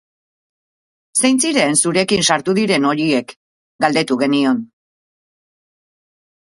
Zein ziren zurekin sartu diren horiek?, galdetu genion.